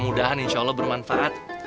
mudah dua an insya allah bermanfaat